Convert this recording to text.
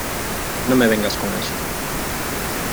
no me vengas con eso.